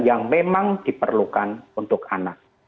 yang memang diperlukan untuk anak